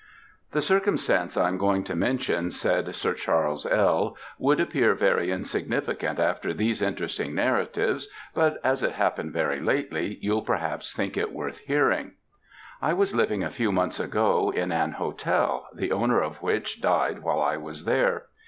"The circumstance I am going to mention," said Sir Charles L., "will appear very insignificant after these interesting narratives, but as it happened very lately, you'll perhaps think it worth hearing. "I was living a few months ago in an hotel, the owner of which died while I was there.